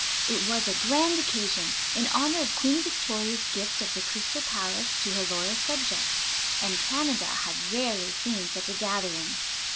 It was a grand occasion in honor of Queen Victoria's gift of the Crystal Palace to her loyal subjects, and Canada had rarely seen such a gathering.